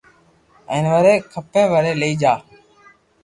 ھين وري کپي وري لئي جا